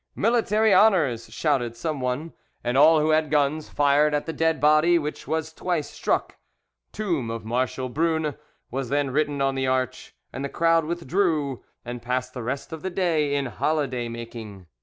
"Military honours!" shouted some one, and all who had guns fired at the dead body, which was twice struck. "Tomb of Marshal Brune" was then written on the arch, and the crowd withdrew, and passed the rest of the day in holiday making.